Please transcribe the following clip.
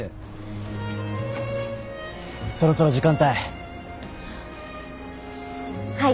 そろそろ時間たい。